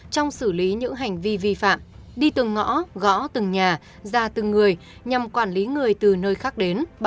trong xử lý những hành vi vi phạm đi từng ngõ gõ từng nhà ra từng người nhằm quản lý người từ nơi khác đến